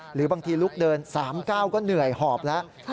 หรือบางทีลุกเดิน๓๙ก็เหนื่อยหอบแล้ว